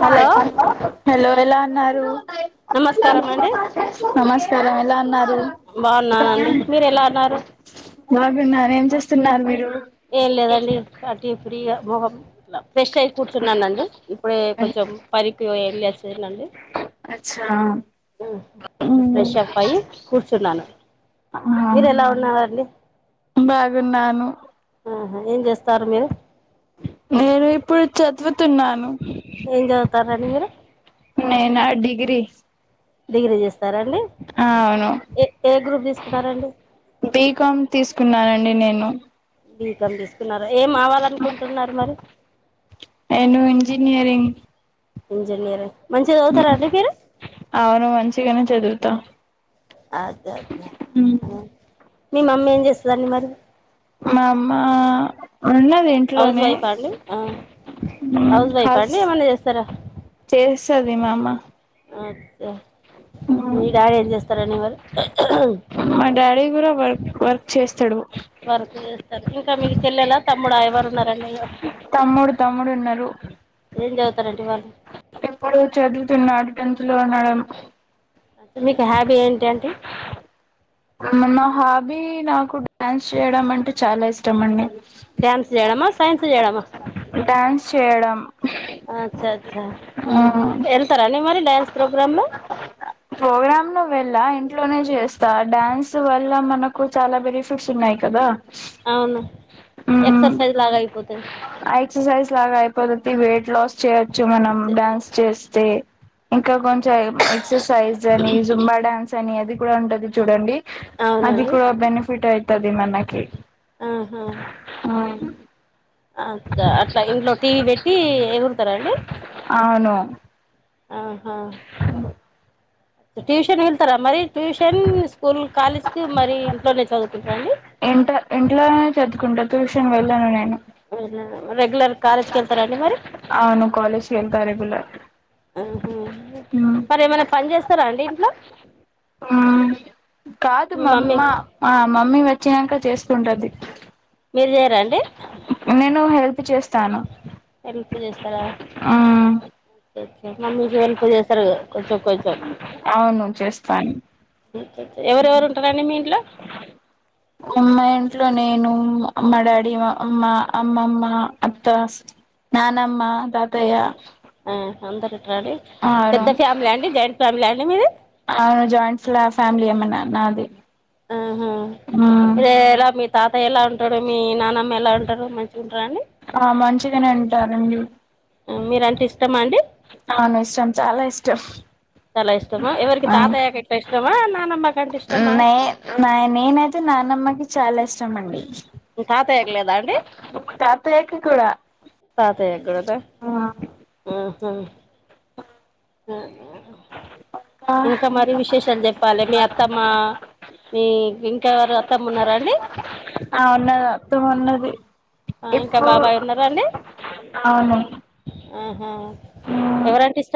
hello hello ఎలా ఉన్నారు నమస్కారమండి నమస్కారం ఎలా అన్నారు బాగున్నానండి మీరు ఎలా ఉన్నారు బాగున్నా ఏం చేస్తున్నారు మీరు ఏం లేదండి అటీ ఫ్రీగా మొహం ఫ్రెష్ అయి కూర్చున్నానుండి ఇప్పుడే కొంచెం పనికి ఎల్లి అచ్చినండి అచ్చా కొంచెం ఫ్రెష్ అప్ అయి కూర్చున్నాను మీరు ఎలా ఉన్నారండి బాగున్నాను ఆహా ఏం చేస్తారు మీరు నేను ఇప్పుడు చదువుతున్నాను ఏం చదువుతర్రు అండి మీరు నేనా డిగ్రీ డిగ్రీ చేస్తారాండి ఆ అవును తీసుకున్నారండి బీకామ్ తీసుకున్నానండి నేను బీకం తీసుకున్నారా ఏం అవాలనుకుంటున్నారు మరి నేను ఇంజనీరింగ్ ఇంజనీరా మంచిగా చదువుతారండి మీరు అవును మంచిగనే చదువుతా మా మీ మమ్మీ ఏం చేస్థాదండి మరి మా అమ్మ ఉన్నదు హౌస్ వైఫా అండి ఆ హౌస్ వైఫ అండి ఏమైన్నా చేస్తారా చేస్తాది మా అమ్మ మీ అమ్మ డాడి ఏం చేస్తారండి మరి మా డాడీ కూడా వర్క్ వర్క్ చేస్తడు వర్క్ చేస్తారు ఇంకా మీ చెల్లెలా తమ్ముడా ఎవరు ఉన్నారండి తమ్ముడు తమ్ముడు ఉన్నారు ఏం చదువుతారండి వాళ్ళు ఎప్పుడు చదువుతున్నాడు టెన్త్ లో ఉన్నాడు మీకు హ్యాబీ ఏంటి అండి నా హాబీ నాకు డ్యాన్స్ చేయడం అంటే చాలా ఇష్టం అండి డ్యాన్స్ చేయడమా సైన్స్ చేయడమా డ్యాన్స్ చేయడం అచ్చా అచ్చా వెళ్తారాండి మీరు డ్యాన్స్ ప్రోగ్రామ్ లో ప్రోగ్రామ్ లో వెళ్ళా ఇంట్లోనే చేస్తా డ్యాన్స్ వల్ల మనకు చాలా బెనిఫిట్స్ ఉన్నాయి కదా అవును ఎక్సర్సైజ్ లాగ అయిపోతది ఆ ఎక్సర్సైజ్ లాగా అయిపోద్ది వెయిట్ లాస్ చేయచ్చు మనం డ్యాన్స్ చేస్తే ఇంకా కొంచెం ఎ ఎక్సర్సైజ్ అని జుంబా డాన్స్ అని అది కూడా ఉంటది చూడండి అది అవునండి కూడా బేనిఫిట్ అయితది మనకి ఆహా హు అ ట్లా అట్లా ఇంట్లో టీవీ పెట్టి ఎగురతారా అండి అవును ఆహా ట్యూషన్ మీరెల్ ళ్తారా మరి ట్యూషన్ స్కూల్ కాలేజ్ కి మరీ ఇంట్లోనే చదువుకుంట్ రా అండి ఇంట్ ఇంట్లోనే చదుకుంటా ట్యూషన్ వెళ్ళాను నేను రెగ్యులర్ కాలేజ్ కెళ్తారా అండి మరి అవును కాలేజ్కి ఎళ్తా రెగ్యులర్ ఉహు హూ మరేమన్న పన్ చేస్తారా అండి ఇంట్లో మ్మ్ కాదు మీ మామ్ మమ్మీ మ్మ మా మమ్మీ వచ్చినక చేస్తుంటది మీర్ చేయరా అండి నేను హెల్ప్ చేస్తాను హెల్ప్ చేస్తారా మ్మ్ ఒకే ఒకే మమ్మీకి హెల్ప్ చేస్తారుగా కొంచెం కొంచెం అవును చేస్తాన్ ఒకే కే ఎవరెవరు ఉంటారండి మీ ఇంట్లో మ్ మ్మా ఇంట్లో నేను అమ్మ డాడీ మా అమ్మ అమ్మమ్మ అత్తాస్ నానమ్మ దర్ హ ఆ అందరూంట్రా అండి అవును పెద్ద ఫ్యామిలీ అండి జాయింట్ ఫ్యామిలీ అండి మీది అవున్ జాయింట్ ఫ్లా ఫ్యామిలీ ఏ మా నాన్ నాది ఆహ మ్మ్ లేరా మీర్ తాత ఎలా ఉంటాడు మీ నానమ్మ ఎలా ఉంటరు మంచిగుంట్రఅండి ఆ మంచిగానే ఉంటారండి ఆ మీరంటే ఇస్టమ అండి అవును ఇష్టం చాలా ఇష్టం చాలా ఇష్టమా ఎవరికి ఆ తాతయ్య కంటే ఇష్టమా నానమ్మ కంటే ఇష్టమా మైన్ నేనైతే నాన్నమ్మకి చాలా ఇష్టం అండి మి తాతయ్య కి లేదా అండి తాతయ్యకి కూడ తాతయ్య క్కూడా నా ఉ హు ఆహా ఇంక మరి విశేషాల్ చెప్పాలె మీ అత్తమ్మ మీకింకెవరు అత్తమ్మున్నరా అండి ఆ వున్నదా తుమున్నది ఆ, ఇంకా ఇప్పు బాబాయ్ ఉన్నారా అండి అవును ఆహా మ్మ్ ఎవరంటె ఇష్టం